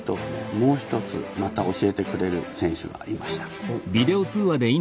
もう一つまた教えてくれる選手がいました。